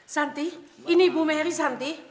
santi ini ibu mary santi